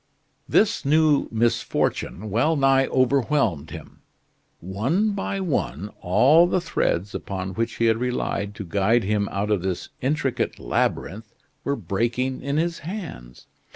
This new misfortune well nigh overwhelmed him. One by one all the threads upon which he had relied to guide him out of this intricate labyrinth were breaking in his hands.